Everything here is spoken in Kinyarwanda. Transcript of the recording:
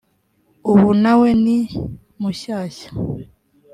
ubu na we ni mushyshya